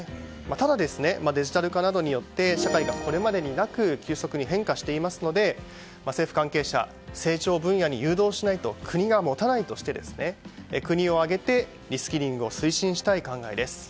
ただ、デジタル化などによって社会がこれまでになく急速に変化していますので政府関係者、成長分野に誘導しないと国が持たないとして国を挙げてリスキリングを推進したい考えです。